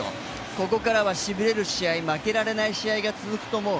ここからはしびれる試合、負けられない試合が続くと思う。